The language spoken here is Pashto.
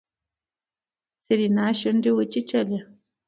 سېرېنا شونډې وچيچلې.